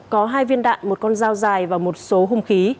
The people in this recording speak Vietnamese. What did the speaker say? có hai viên đạn một con dao dài và một số hung khí